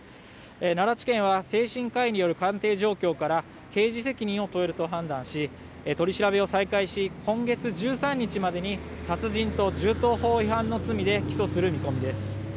奈良地検は精神科医による鑑定状況から刑事責任を問えると判断し取り調べを再開し、今月１３日までに殺人と銃刀法違反の罪で起訴する見込みです。